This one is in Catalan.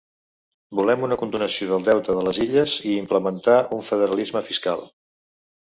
Volem una condonació del deute de les Illes i implementar un federalisme fiscal.